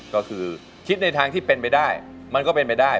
ก็คือคิดในทางที่เป็นไปได้มันก็เป็นไปได้